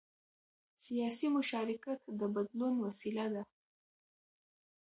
سیاسي مشارکت د بدلون وسیله ده